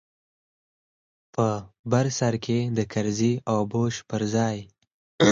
په بر سر کښې د کرزي او بوش پر ځاى.